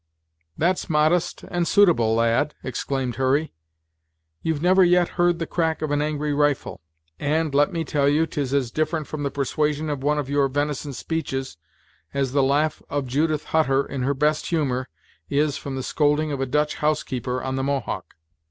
"That's modest and suitable, lad," exclaimed Hurry. "You've never yet heard the crack of an angry rifle; and, let me tell you, 'tis as different from the persuasion of one of your venison speeches, as the laugh of Judith Hutter, in her best humor, is from the scolding of a Dutch house keeper on the Mohawk.